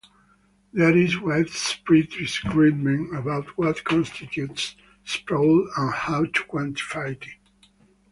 There is widespread disagreement about what constitutes sprawl and how to quantify it.